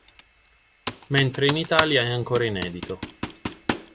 Mentre in Italia è ancora inedito.